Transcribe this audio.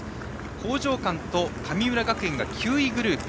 興譲館と神村学園が９位グループ。